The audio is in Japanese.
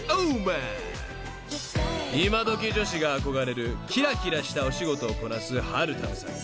［イマドキ女子が憧れるきらきらしたお仕事をこなすはるたむさん］